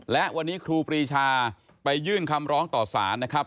และวันนี้ครูปรีชาไปยื่นคำร้องต่อสารนะครับ